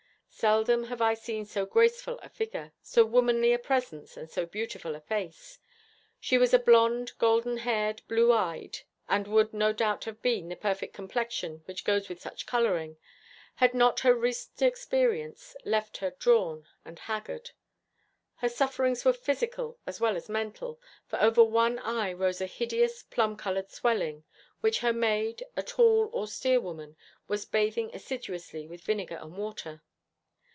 Seldom have I seen so graceful a figure, so womanly a presence, and so beautiful a face. She was a blonde, golden haired, blue eyed, and would no doubt have had the perfect complexion which goes with such colouring, had not her recent experience left her drawn and haggard. Her sufferings were physical as well as mental, for over one eye rose a hideous, plum coloured swelling, which her maid, a tall, austere woman, was bathing assiduously with vinegar and water.